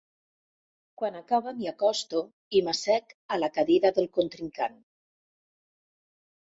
Quan acaba m'hi acosto i m'assec a la cadira del contrincant.